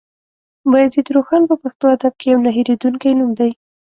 بايزيد روښان په پښتو ادب کې يو نه هېرېدونکی نوم دی.